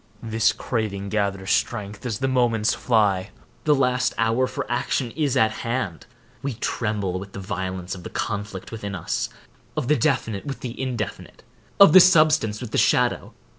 This craving gathers strength as the moments fly. The last hour for action is at hand. We tremble with the violence of the conflict within us,—of the definite with the indefinite—of the substance with the shadow.